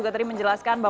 jatian epa jayante